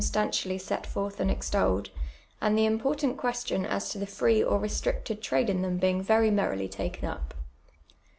stantiallv set forth and exU)llcd, and the important question as to tlie free or ri'stricted trade in them hein«; verA' merrily taken up.